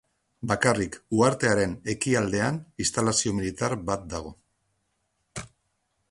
Bakarrik uhartearen ekialdean instalazio militar bat dago.